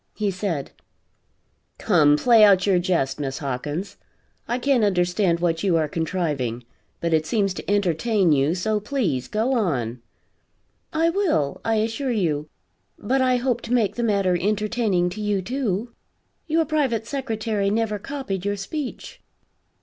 He said: "Come, play out your jest, Miss Hawkins. I can't understand what you are contriving but it seems to entertain you so please, go on." "I will, I assure you; but I hope to make the matter entertaining to you, too. Your private secretary never copied your speech."